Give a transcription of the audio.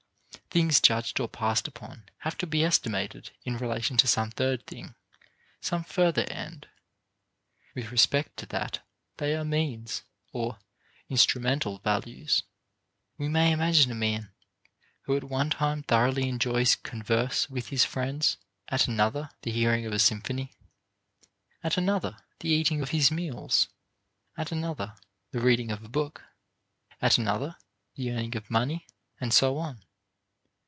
Things judged or passed upon have to be estimated in relation to some third thing, some further end. With respect to that, they are means, or instrumental values. We may imagine a man who at one time thoroughly enjoys converse with his friends, at another the hearing of a symphony; at another the eating of his meals; at another the reading of a book; at another the earning of money, and so on.